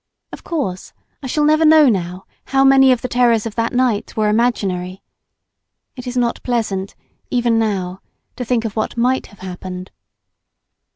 Of course, I shall never know now how many of the terrors of that night were imaginary. It is not pleasant, even now, to think of what might have happened.